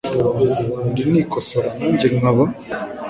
iri ni ikosora nanjye nkaba